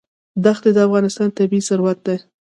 دښتې د افغانستان طبعي ثروت دی.